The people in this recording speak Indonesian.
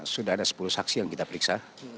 sudah ada sepuluh saksi yang kita periksa